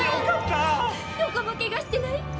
どこもケガしてない？